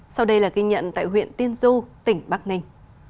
sau đây là ghi nhận tại huyện tiên du tỉnh bắc ninh